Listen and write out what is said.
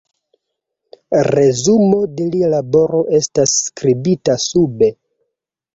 Resumo de lia laboro estas skribita sube.